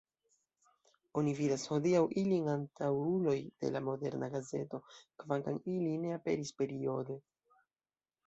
Oni vidas hodiaŭ ilin antaŭuloj de la moderna gazeto, kvankam ili ne aperis periode.